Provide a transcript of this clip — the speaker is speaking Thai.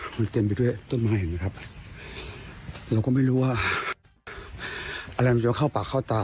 มันเต็มไปด้วยต้นไม้เห็นไหมครับเราก็ไม่รู้ว่าอะไรมันจะเข้าปากเข้าตา